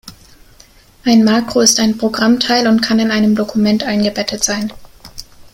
Ein Makro ist ein Programmteil und kann in einem Dokument eingebettet sein.